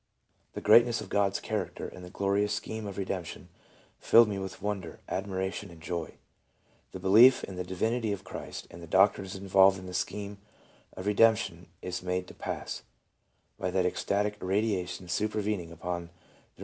. The great ness of God's character and the glorious scheme of redemp tion filled me with wonder, admiration and joy." The belief in the divinity of Christ and the doctrines involved in the scheme of redemption, is made to pass, by that ecstatic irradiation supervening upon the removal of the last inhibi tion, into the domain of Faith.